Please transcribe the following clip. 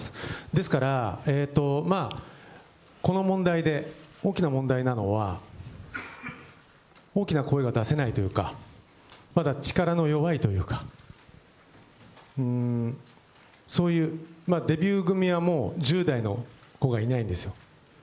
ですから、この問題で大きな問題なのは、大きな声が出せないというか、まだ力の弱いというか、そういう、デビュー組はもう、１０代の子がいないんですよ。